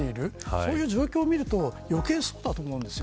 そういう状況を見ると余計にそうだと思うんです。